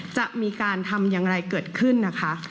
จะมีการทำอย่างไรเกิดขึ้นนะคะ